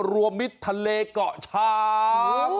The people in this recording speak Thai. รวมมิดทะเลเกาะช้า